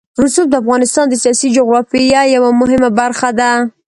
رسوب د افغانستان د سیاسي جغرافیه یوه مهمه برخه ده.